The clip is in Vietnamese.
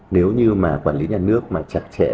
nếu như mà quản lý nhà nước mà chặt chẽ